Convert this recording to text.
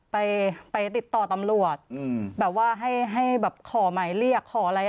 ไปไปติดต่อตำรวจอืมแบบว่าให้ให้แบบขอหมายเรียกขออะไร